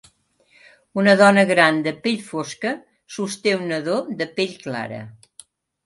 Una dona gran de pell fosca sosté un nadó de pell clara.